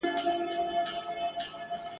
زه بې عقل وم چی کسب می خطا کړ ..